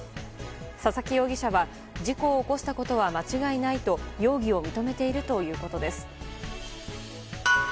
佐々木容疑者は事故を起こしたことは間違いないと容疑を認めているということです。